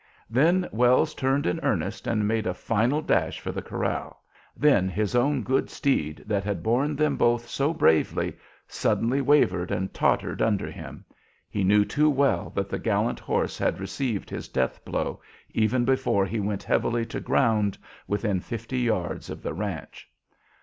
Then Wells turned in earnest and made a final dash for the corral. Then his own good steed, that had borne them both so bravely, suddenly wavered and tottered under him. He knew too well that the gallant horse had received his death blow even before he went heavily to ground within fifty yards of the ranch.